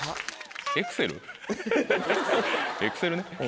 エクセル。